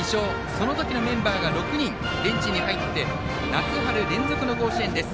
その時のメンバーが６人ベンチに入って夏春連続の甲子園です。